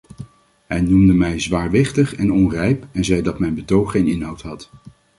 Hij noemde mij zwaarwichtig en onrijp en zei dat mijn betoog geen inhoud had.